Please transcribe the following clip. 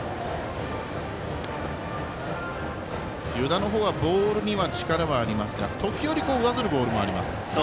湯田の方はボールには力がありますが時折、上ずるボールもあります。